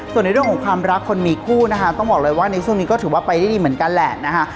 ส่วนในเรื่องของความรักคนมีคู่นะคะต้องบอกเลยว่าในช่วงนี้ก็ถือว่าไปได้ดีเหมือนกันแหละนะคะ